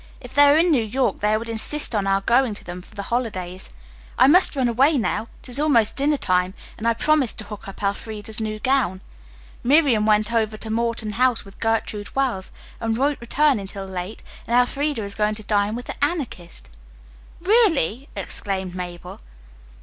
If they were in New York they would insist on our going to them for the holidays. I must run away now. It is almost dinner time and I promised to hook up Elfreda's new gown. Miriam went over to Morton House with Gertrude Wells, and won't return until late, and Elfreda is going to dine with the Anarchist." "Really!" exclaimed Mabel.